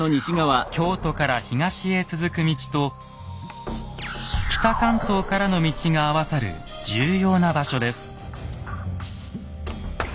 京都から東へ続く道と北関東からの道が合わさる重要な場所です。